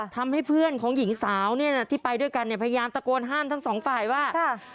ทำให้เพื่อนของหญิงสาวเนี่ยนะที่ไปด้วยกันเนี่ยพยายามตะโกนห้ามทั้งสองฝ่ายว่า